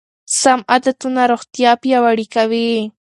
سم عادتونه روغتیا پیاوړې کوي.